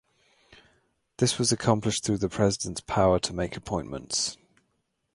This was accomplished through the president's power to make appointments.